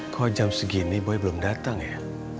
kok jam segini boy belum datang ya